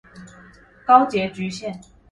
高捷橘線